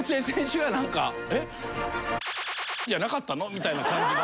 みたいな感じの。